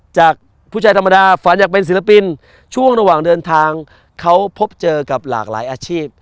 จากผู้ชายธรรมดาฝันอยากเป็นศิลปินช่วงระหว่างเดินทางเขาพบเจอกับหลากหลายอาชีพ